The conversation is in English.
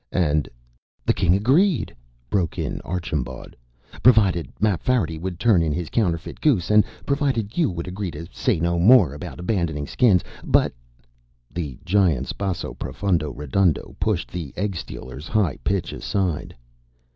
"And...." "The King agreed," broke in Archambaud, "provided Mapfarity would turn in his counterfeit goose and provided you would agree to say no more about abandoning Skins, but...." The Giant's basso profundo redundo pushed the egg stealer's high pitch aside.